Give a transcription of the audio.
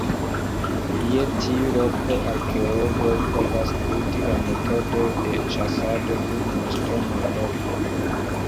Je tiu loko arkeologoj povas studi la metodojn de ĉasado dum la ŝtonepoko.